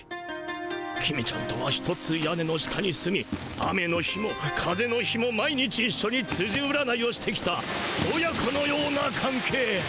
公ちゃんとは一つ屋根の下に住み雨の日も風の日も毎日いっしょにつじ占いをしてきた親子のようなかん係。